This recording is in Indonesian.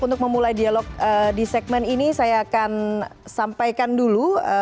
untuk memulai dialog di segmen ini saya akan sampaikan dulu